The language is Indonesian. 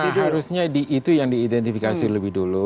harusnya itu yang diidentifikasi lebih dulu